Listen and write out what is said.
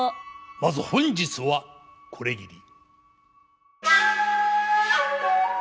まず本日はこれぎり。